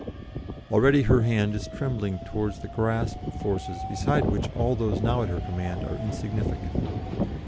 Already her hand is trembling towards the grasp of forces beside which all those now at her command are insignificant.